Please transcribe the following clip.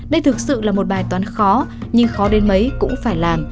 đây thực sự là một bài toán khó nhưng khó đến mấy cũng phải làm